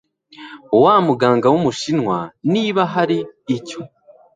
wamuganga wumushinwa niba hari icyo